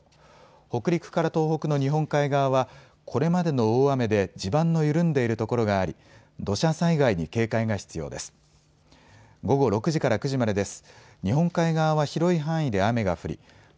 北陸から東北の日本海側はこれまでの大雨で地盤の緩んでいるところがあり土砂災害に警戒が必要です。